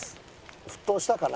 沸騰したかな？